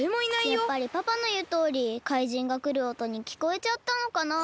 やっぱりパパのいうとおり怪人がくるおとにきこえちゃったのかなあ。